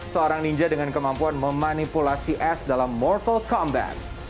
seorang ninja dengan kemampuan memanipulasi s dalam mortal kombat